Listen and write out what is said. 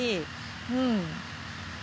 うん。